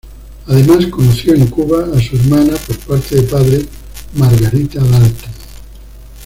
Además conoció en Cuba a su hermana por parte de padre, Margarita Dalton.